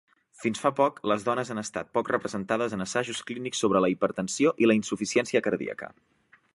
Fins fa poc les dones han estat poc representades en assajos clínics sobre la hipertensió i la insuficiència cardíaca.